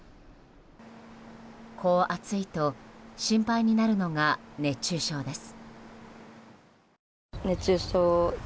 こう暑いと心配になるのが熱中症です。